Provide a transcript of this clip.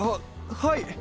はい！